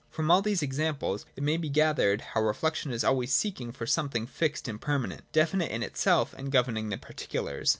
— From all these examples it may be gathered how reflection is always seeking for something fixed and permanent, definite in itself and governing the particulars.